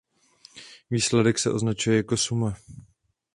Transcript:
Výsledek se označuje jako suma.